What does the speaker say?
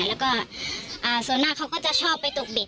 แล้วก็ส่วนมากเขาก็จะชอบไปตกเด็ก